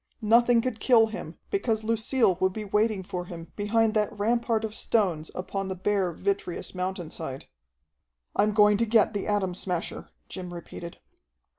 Nothing could kill him, because Lucille would be waiting for him behind that rampart of stones upon the bare, vitreous mountainside. "I'm going to get the Atom Smasher," Jim repeated.